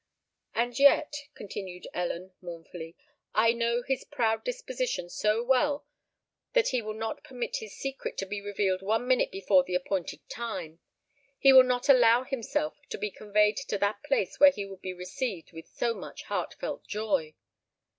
"And yet," continued Ellen, mournfully, "I know his proud disposition so well, that he will not permit his secret to be revealed one minute before the appointed time: he will not allow himself to be conveyed to that place where he would be received with so much heart felt joy!"